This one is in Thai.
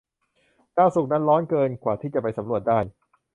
ดาวศุกร์นั้นร้อนเกินกว่าที่จะไปสำรวจได้